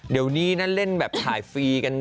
เดี๋ยวนี้นะเล่นแบบถ่ายฟรีกัน